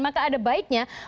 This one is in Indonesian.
maka ada baiknya